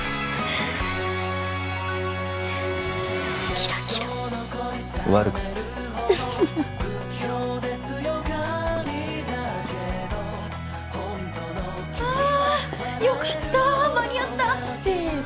キラキラ悪くないああよかった間に合ったセーフ！